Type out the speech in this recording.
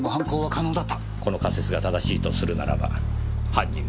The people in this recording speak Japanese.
この仮説が正しいとするならば犯人は。